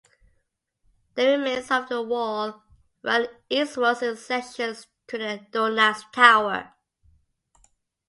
The remains of the wall run eastwards, in sections, to the "Donats Tower".